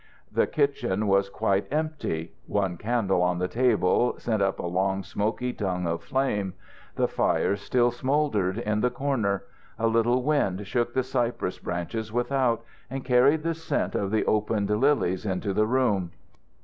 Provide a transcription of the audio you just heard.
The kitchen was quite empty. One candle on the table sent up a long smoky tongue of flame. The fire still smouldered in the corner. A little wind shook the cypress branches without, and carried the scent of the opened lilies into the room.